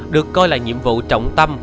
được coi là nhiệm vụ trọng tâm